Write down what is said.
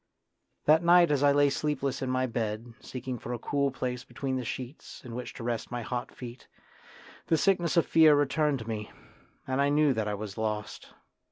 That night as I lay sleepless in my bed, seeking for a cool place between the sheets in which to rest my hot feet, the sickness of fear returned to me, and I knew that I was lost.